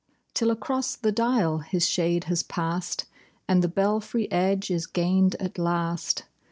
Till across the dial his shade has pass'd, And the belfry edge is gain'd at last.